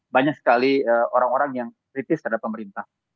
banyak sekali orang orang yang kritis terhadap pemerintah